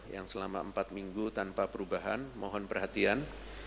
yang selama empat minggu tanpa perubahan mohon perhatian